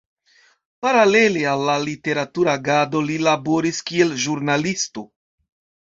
Paralele al la literatura agado li laboris kiel ĵurnalisto.